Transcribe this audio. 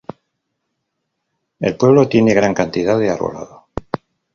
El pueblo tiene gran cantidad de arbolado.